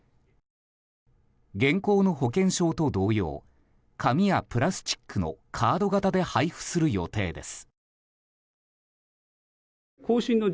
現行の保険証と同様紙やプラスチックのカード型で配布する予定です。